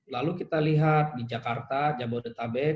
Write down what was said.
lalu kita lihat di jakarta jabodetabek